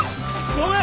ごめん！